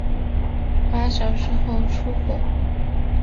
八小时后出货